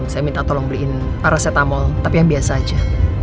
saya minta tolong beliin parasetamol tapi yang biasa saja